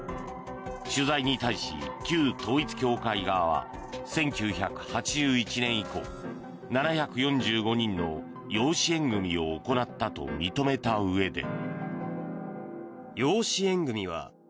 取材に対し、旧統一教会側は１９８１年以降７４５人の養子縁組を行ったと認めたうえで。